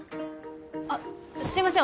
あっすいません